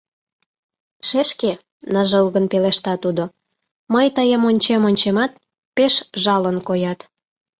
— Шешке, — ныжылгын пелешта тудо, — мый тыйым ончем-ончемат, пеш жалын коят.